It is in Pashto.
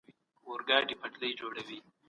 شاه امان الله خان خلکو ته وویل، خپلواکي زموږ حق دی.